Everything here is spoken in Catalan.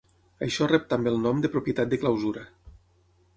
Això rep també el nom de propietat de clausura.